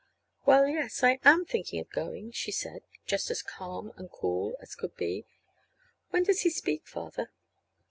"Well, yes, I am thinking of going," she said, just as calm and cool as could be. "When does he speak, Father?"